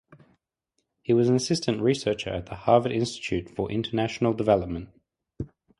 He was an assistant researcher at the Harvard Institute for International Development.